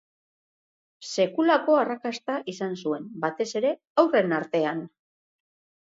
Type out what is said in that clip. Sekulako arrakasta izan zuen, batez ere haurren artean.